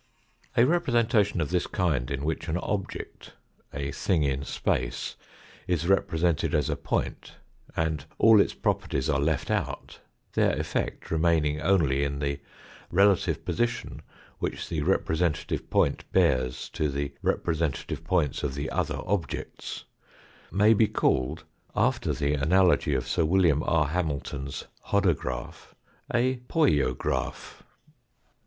A representation of this kind in which an object, a thing in space, is represented as a point, and all its pro perties are left out, their effect remaining only in the relative position which the representative point bears to the representative points of the other objects, may be called, after the analogy of Sir William K. Hamilton's hodograph, a "Poiograph."